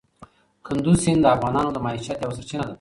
کندز سیند د افغانانو د معیشت یوه سرچینه ده.